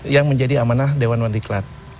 yang menjadi amanah dewan wandiklat